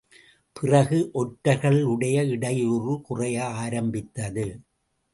பிறகு ஒற்றர்களுடைய இடையூறு குறைய ஆரம்பித்தது.